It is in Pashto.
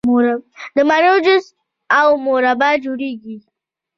د مڼو جوس او مربا جوړیږي.